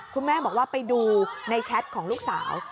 คุณแม่บอกว่าไปดูในแชทของลูกสาว